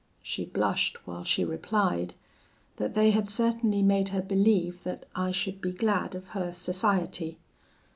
She blushed while she replied, that they had certainly made her believe that I should be glad of her society.